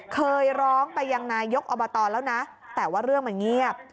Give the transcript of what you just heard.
เคยร้องไปยังนายกอบตแล้วนะแต่ว่าเรื่องมันเงียบ